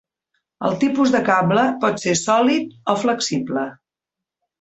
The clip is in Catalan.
El tipus de cable pot ser sòlid o flexible.